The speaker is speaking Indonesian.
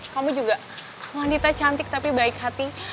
kamu juga wanita cantik tapi baik hati